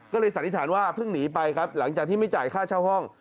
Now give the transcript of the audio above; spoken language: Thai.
ก็เลยสันนิษฐานว่าเพิ่งหนีไปครับหลังจากที่ไม่จ่ายค่าเช่าห้อง